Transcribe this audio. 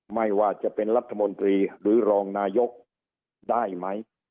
ไม่ว่าจะเป็นรัฐมนตรีหรือรองนายกได้ไหม